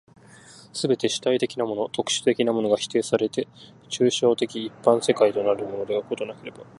すべての主体的なもの、特殊的なものが否定せられて、抽象的一般の世界となるということでもなければ、